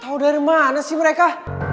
tahu dari mana sih mereka